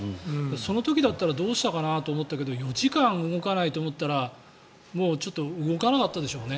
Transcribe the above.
その時だったらどうしたかなと思ったけど４時間動かないと思ったらもう、ちょっと動かなかったでしょうね。